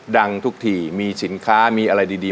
มาทีไรชื่นใจทุกที